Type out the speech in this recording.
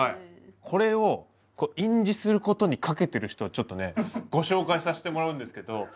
これを印字する事に懸けてる人をちょっとねご紹介させてもらうんですけど。